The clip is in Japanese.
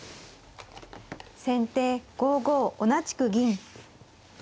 先手５五同じく銀。